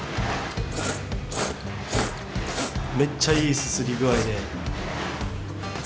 めっちゃいいすすり具合で。